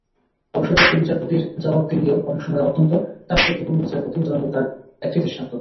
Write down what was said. অবসরপ্রাপ্ত বিচারপতির জবাবদিহিও অনেক সময় অত্যন্ত তাৎপর্যপূর্ণ, বিচারপতি জয়নুল তার একটি দৃষ্টান্ত।